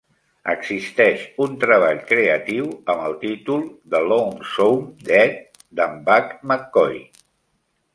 Existeix un treball creatiu amb el títol "The Lonesome Death" d'en Buck McCoy